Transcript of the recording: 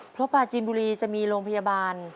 เพราะปลาจีนบุรีจะมีโรงพยาบาล